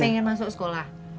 pengen masuk sekolah